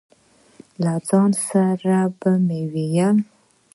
له ځان سره به مې وویل.